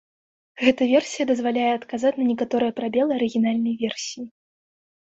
Гэта версія дазваляе адказаць на некаторыя прабелы арыгінальнай версіі.